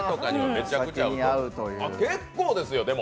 結構ですよ、でも。